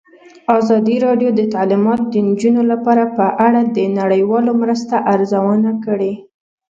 ازادي راډیو د تعلیمات د نجونو لپاره په اړه د نړیوالو مرستو ارزونه کړې.